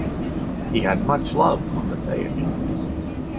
He had much love on the deity.